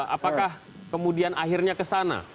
apakah kemudian akhirnya ke sana